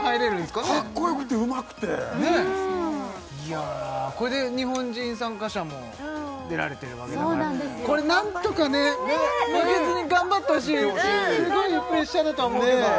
かっこよくてうまくていやこれで日本人参加者も出られてるわけだからこれなんとかね負けずに頑張ってほしいすごいプレッシャーだとは思うけどねえ